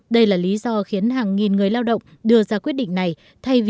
đây là lý do khiến hàng nghìn người lao động đưa ra quyết định này